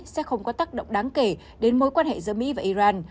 sẽ không có tác động đáng kể đến mối quan hệ giữa mỹ và iran